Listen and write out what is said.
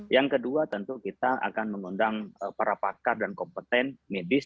yang kedua tentu kita akan mengundang para pakar dan kompeten medis